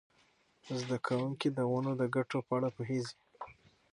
زده کوونکي د ونو د ګټو په اړه پوهیږي.